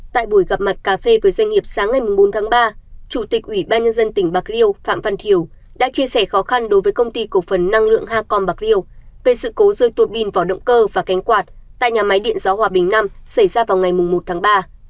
tại buổi gặp mặt cà phê với doanh nghiệp sáng ngày bốn tháng ba chủ tịch ủy ban nhân dân tỉnh bạc liêu phạm văn thiểu đã chia sẻ khó khăn đối với công ty cổ phần năng lượng hacom bạc liêu về sự cố rơi tuột pin vỏ động cơ và cánh quạt tại nhà máy điện gió hòa bình năm xảy ra vào ngày một tháng ba